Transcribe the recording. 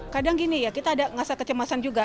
kadang gini ya kita ada ngerasa kecemasan juga